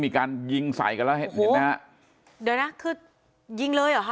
มีการยิงใส่กันแล้วเห็นไหมฮะเดี๋ยวนะคือยิงเลยเหรอคะ